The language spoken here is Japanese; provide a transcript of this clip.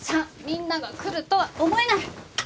３みんなが来るとは思えない。